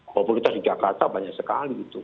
populitas di jakarta banyak sekali gitu